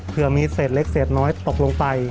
เพื่อมีเศษเล็กเศษน้อยตกลงไป